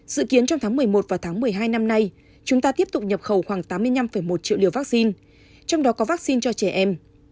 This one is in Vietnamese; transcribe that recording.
dự kiến trong tháng một mươi một và tháng một mươi hai năm nay chúng ta tiếp tục nhập khẩu khoảng tám mươi năm một triệu liều vaccine trong đó có vaccine cho trẻ em